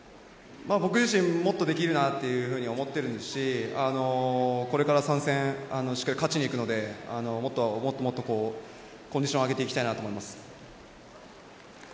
僕自身もっとできるなというふうに思っていますしこれから３戦しっかり勝ちにいくのでもっとコンディションを上げていきたいなと思います。